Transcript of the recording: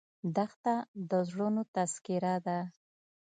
دښته د زړونو تذکره ده.